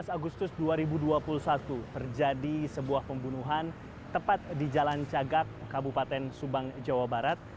tujuh belas agustus dua ribu dua puluh satu terjadi sebuah pembunuhan tepat di jalan cagak kabupaten subang jawa barat